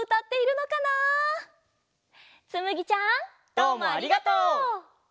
どうもありがとう。